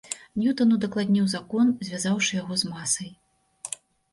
Ньютан удакладніў закон, звязаўшы яго з масай.